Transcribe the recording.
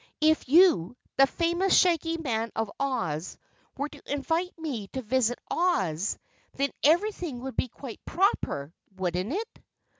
"If you, the famous Shaggy Man of Oz, were to invite me to visit Oz, then everything would be quite proper, wouldn't it?"